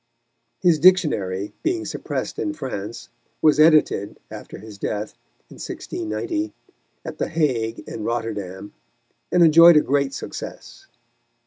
His Dictionary, being suppressed in France, was edited, after his death, in 1690, at The Hague and Rotterdam, and enjoyed a great success.